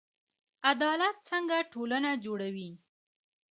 عدالت څنګه ټولنه جوړوي؟